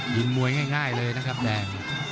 มวยง่ายเลยนะครับแดง